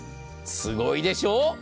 すごいでしょう。